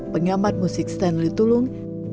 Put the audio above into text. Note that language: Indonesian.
pengamat musik stanley tulung